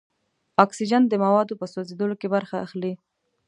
اکسیجن د موادو په سوځیدلو کې برخه اخلي.